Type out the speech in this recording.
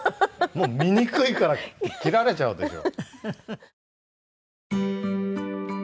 もう醜いから切られちゃうでしょ。